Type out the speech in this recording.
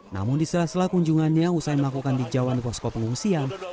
namun di sela sela kunjungannya usai melakukan dijauan posko pengungsian